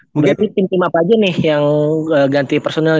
mungkin tim apa aja nih yang ganti personal bisa